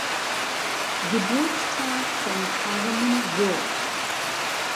Geburtstag von Carmen Würth.